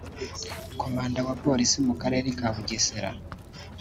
Komanda wa Polisi mu Karere ka Bugesera